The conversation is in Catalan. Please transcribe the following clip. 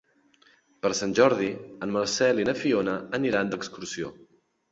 Per Sant Jordi en Marcel i na Fiona aniran d'excursió.